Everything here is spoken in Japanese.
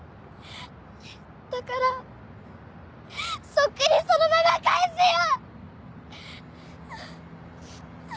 だからそっくりそのまま返すよ！